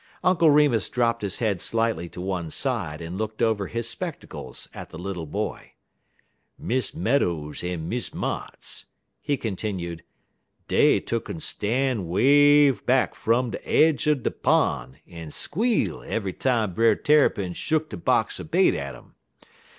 Uncle Remus dropped his head slightly to one side, and looked over his spectacles at the little boy. "Miss Meadows en Miss Motts," he continued, "dey tuck'n stan' way back fum de aidge er de pon' en squeal eve'y time Brer Tarrypin shuck de box er bait at um.